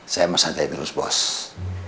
saya mas hantai filus boss